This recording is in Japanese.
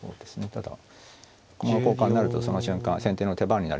ただ駒の交換になるとその瞬間先手の手番になりますので最後に。